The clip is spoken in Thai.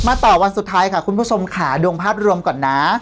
ต่อวันสุดท้ายค่ะคุณผู้ชมค่ะดูภาพรวมก่อนนะ